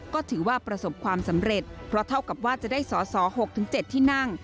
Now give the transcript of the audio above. ก็ถือว่าประสบความสำเร็จเพราะเท่ากับว่าจะได้สอสอ๖๗ที่นั่ง